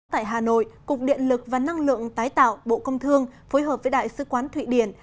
tại hà nội cục điện lực và năng lượng tái tạo bộ công thương phối hợp với đại sứ quán thụy điển